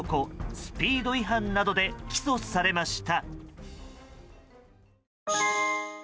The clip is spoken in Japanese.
スピード違反などで起訴されました。